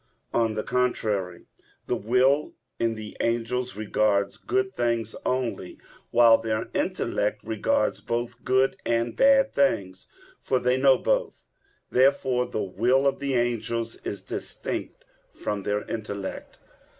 On the contrary, The will in the angels regards good things only, while their intellect regards both good and bad things, for they know both. Therefore the will of the angels is distinct from their intellect.